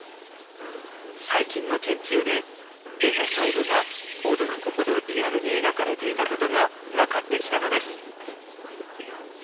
最近の研究で絵の細部が驚くほどリアルに描かれていたことが分かってきたのです。